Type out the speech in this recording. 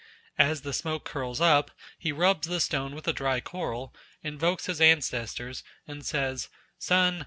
As the smoke curls up, he rubs the stone with the dry coral, invokes his ancestors and says: "Sun!